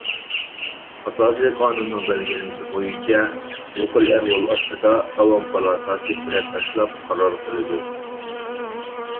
ئاساسىي قانۇننىڭ بەلگىلىمىسى بويىچە، بۇ خىل ئەھۋال ئاستىدا ئاۋام پالاتاسى بېلەت تاشلاپ قارار قىلىدۇ.